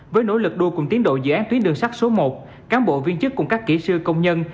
với nỗ lực đua cùng tiến độ dự án tuyến đường sắt số một cán bộ viên chức cùng các kỹ sư công nhân